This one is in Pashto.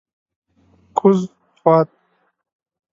کوز خوات: